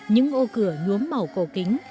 những ô cửa nhuốm màu cổ kính